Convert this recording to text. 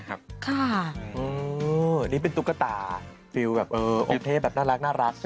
ค่ะอื้อนี่เป็นตุ๊กตาฟิวแบบเออองค์เทพแบบน่ารักน่ารักใช่ไหม